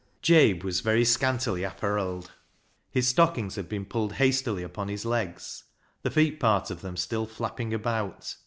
288 BECKSIDE LIGHTS Jabe was very scantily apparelled. His stock ings had been pulled hastily upon his legs, the feet part of them still flapping about.